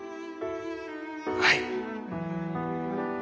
はい。